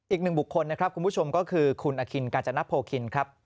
อีกหนึ่งบุคคลนะครับคุณผู้ชมก็คือคุณอคินกาญจนโพคินครับ